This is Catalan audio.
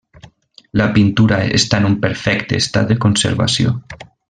La pintura està en un perfecte estat de conservació.